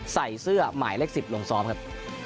ใส่เสื้อหมายเลข๑๐ลงซ้อมครับ